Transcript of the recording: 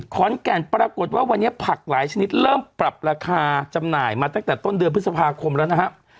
ปรากฏว่าวันนี้ผักหลายชนิดเริ่มปรับราคาจำหน่ายมาตั้งแต่ต้นเดือนพฤษภาคมแล้วนะครับ